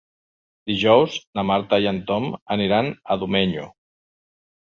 Dijous na Marta i en Tom aniran a Domenyo.